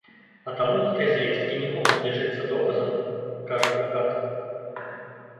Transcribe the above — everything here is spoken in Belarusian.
А таму гэтыя звесткі не могуць лічыцца доказам, кажа адвакат.